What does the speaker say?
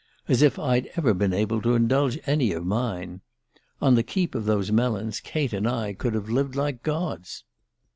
As if I'd ever been able to indulge any of mine! On the keep of those melons Kate and I could have lived like gods...